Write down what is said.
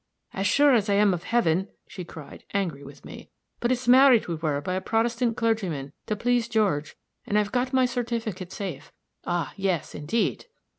"'As sure as I am of heaven,' she cried, angry with me. 'But it's married we were by a Protestant clergyman, to please George and I've got my certificate safe ah, yes, indeed.'